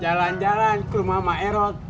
jalan jalan ke rumah emak erot